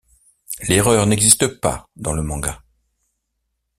L'erreur n'existe pas dans le manga.